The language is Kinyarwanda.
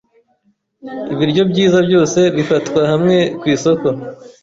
Ibiryo byiza byose bifatwa hamwe kwisoko